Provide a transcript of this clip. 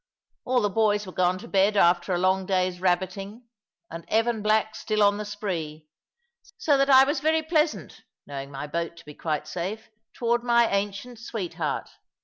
All the boys were gone to bed after a long day's rabbiting, and Evan Black still on the spree; so that I was very pleasant (knowing my boat to be quite safe) toward my ancient sweetheart.